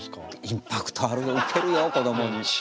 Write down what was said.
インパクトあるよウケるよこどもに。